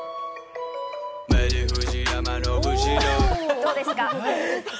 どうですか？